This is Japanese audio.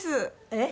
えっ？